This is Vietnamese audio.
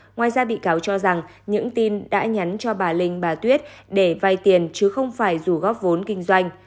ngoài ra bị cáo cho rằng những tin đã nhắn cho bà linh bà tuyết để vay tiền chứ không phải dù góp vốn kinh doanh